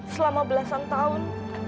selama belasan tahun